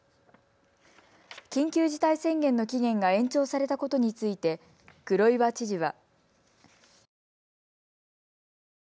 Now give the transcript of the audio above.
緊急事態宣言の期限が延長されたことについて黒岩知事は。